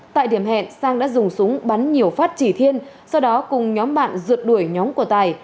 tại điểm hẹn sang đã dùng súng bắn nhiều phát chỉ thiên sau đó cùng nhóm bạn rượt đuổi nhóm của tài